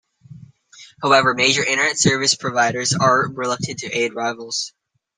However, major Internet services providers are reluctant to aid rivals.